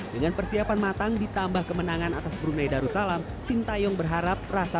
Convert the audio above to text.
dengan persiapan matang ditambah kemenangan atas brunei darussalam sintayong berharap rasa